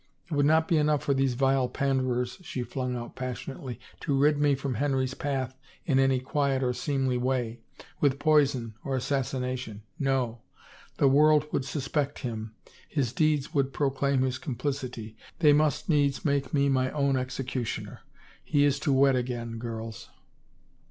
... It would not be enough for these vile panderers," she flung out pas sionately, " to rid me from Henry's path in any quiet or seemly way — with poison or assassination. No ! The world would suspect him — his deeds would pro claim his complicity. They must needs make me mine own executioner. ... He is to wed again, girls."